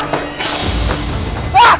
tuh apaan tuh